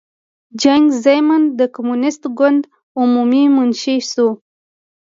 جیانګ زیمن د کمونېست ګوند عمومي منشي شو.